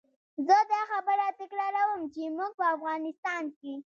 زه دا خبره تکراروم چې موږ په افغانستان کې.